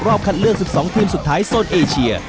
คัดเลือก๑๒ทีมสุดท้ายโซนเอเชีย